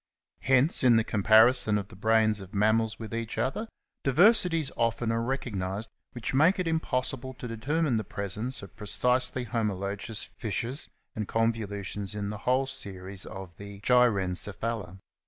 Hence, in the comparison of the brains of mammals with each other, diversities often are recognized which make it impossible to determine the presence of precisely homologous fissures and convolutions in the whole series of the Gyrencephala."